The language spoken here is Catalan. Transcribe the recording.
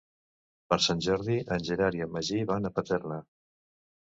Per Sant Jordi en Gerard i en Magí van a Paterna.